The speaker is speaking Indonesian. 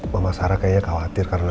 mama sarah kayaknya khawatir karena